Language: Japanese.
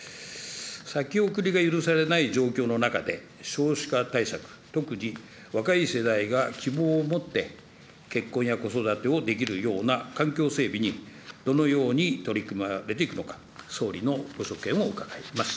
先送りが許されない状況の中で、少子化対策、特に若い世代が希望を持って結婚や子育てをできるような環境整備にどのように取り組まれていくのか、総理のご所見を伺います。